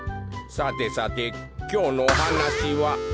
さてさてきょうのおはなしは。